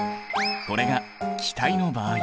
これが気体の場合。